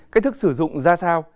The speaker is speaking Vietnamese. cách thức sử dụng ra sao